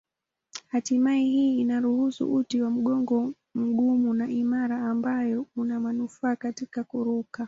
Hatimaye hii inaruhusu uti wa mgongo mgumu na imara ambayo una manufaa katika kuruka.